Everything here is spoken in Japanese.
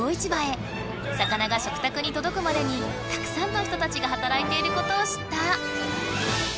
魚が食たくにとどくまでにたくさんの人たちがはたらいていることを知った。